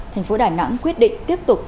thành phố đà nẵng quyết định tiếp tục